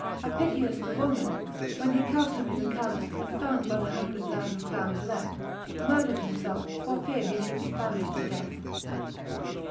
Apicius the Roman, when he cast up his accounts, and found but 100,000 crowns left, murdered himself for fear he should be famished to death.